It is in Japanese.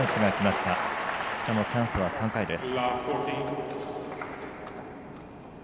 しかもチャンスは３回です。